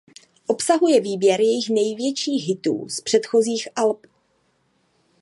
Obsahuje výběr jejich největších hitů z předchozích alb.